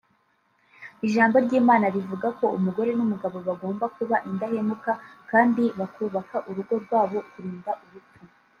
Ijambo ry’Imana rivuga ko umugore n’umugabo bagomba kuba indahemuka kandi bakubaka urugo rwabo kurinda urupfu rubatandukanyije